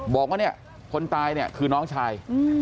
บอกว่าเนี่ยคนตายเนี่ยคือน้องชาย